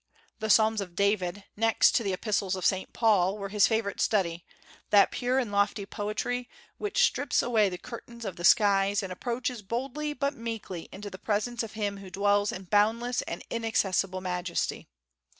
The Psalms of David, next to the Epistles of Saint Paul, were his favorite study, that pure and lofty poetry "which strips away the curtains of the skies, and approaches boldly but meekly into the presence of Him who dwells in boundless and inaccessible majesty."